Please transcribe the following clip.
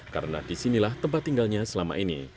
karena disinilah tempat tinggalnya selama ini